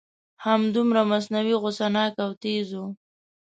همدومره مصنوعي غصه ناک او تیز و.